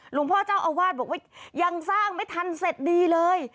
หลวงพ่อเจ้าอาวาสบอกว่ายังสร้างไม่ทันเสร็จดีเลย